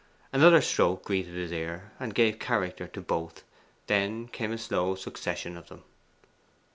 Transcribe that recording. Another stroke greeted his ear, and gave character to both: then came a slow succession of them.